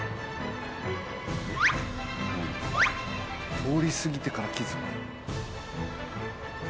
通りすぎてから気づく。